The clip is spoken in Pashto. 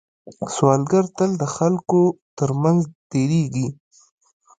سوالګر تل د خلکو تر منځ تېرېږي